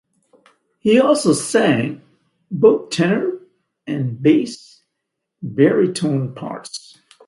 He also sang both tenor and bass baritone parts.